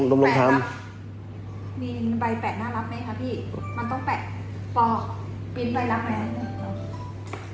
มีใบแปะน่ารับไหมคะพี่มันต้องแปะปลอกปิดใบรับไหมครับ